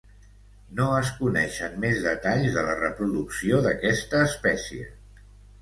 No es coneixen més detalls de la reproducció d'aquesta espècie.